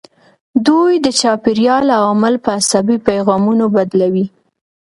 دوی د چاپیریال عوامل په عصبي پیغامونو بدلوي.